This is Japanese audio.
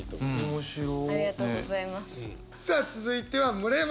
面白い。